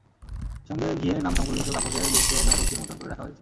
সঙ্গে ঘিয়ের নামসংবলিত কাগজে বিএসটিআইয়ের নকল সিল মুদ্রণ করে রাখা হয়েছে।